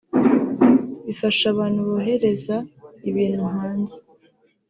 bifasha abantu bohereza ibintu hanze